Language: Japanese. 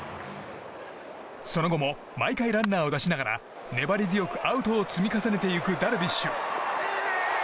その後も毎回ランナーを出しながら粘り強くアウトを積み重ねていくダルビッシュ。